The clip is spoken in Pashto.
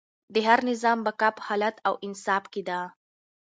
د هر نظام بقا په عدالت او انصاف کې ده.